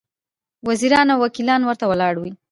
وزیران او وکیلان ورته ولاړ وي.